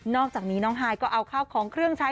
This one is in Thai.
อกจากนี้น้องฮายก็เอาข้าวของเครื่องใช้